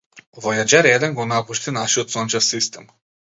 Војаџер еден го напушти нашиот сончев систем.